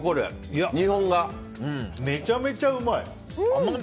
めちゃめちゃうまい。